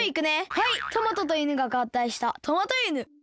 はいトマトといぬががったいしたトマトいぬ。